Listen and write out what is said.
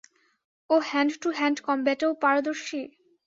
ও hand to hand কমব্যাটেও পারদর্শী?